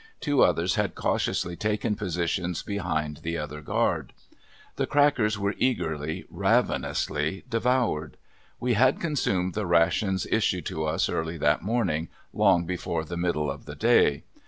Two others had cautiously taken positions behind the other guard. The crackers were eagerly, ravenously devoured. We had consumed the rations issued to us early that morning, long before the middle of the day.